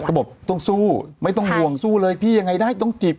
เขาบอกว่าต้องสู้ไม่ต้องห่วงยังไงได้ต้องจีบ